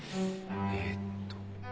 えっと。